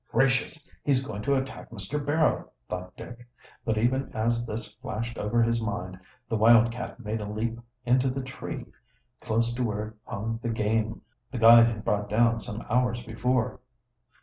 "Gracious! he's going to attack Mr. Barrow!" thought Dick, but even as this flashed over his mind the wildcat made a leap into the tree, close to where hung the game the guide had brought down some hours before.